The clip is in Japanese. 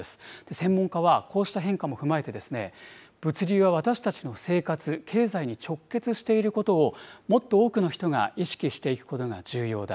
専門家はこうした変化も踏まえて、物流は私たちの生活、経済に直結していることをもっと多くの人が意識していくことが重要だ。